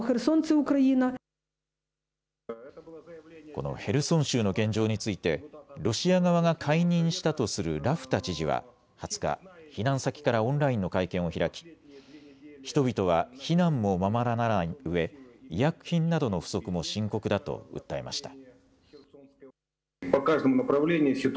このヘルソン州の現状についてロシア側が解任したとするラフタ知事は２０日、避難先からオンラインの会見を開き人々は避難もままならないうえ、医薬品などの不足も深刻だと訴えました。